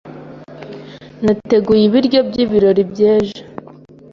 Nateguye ibiryo by'ibirori by'ejo.